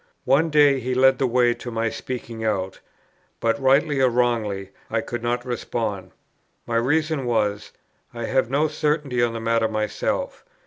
One day he led the way to my speaking out; but, rightly or wrongly, I could not respond. My reason was, "I have no certainty on the matter myself.